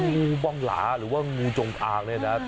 งูบองหลาหรือว่างูจงอางเนี่ยนะ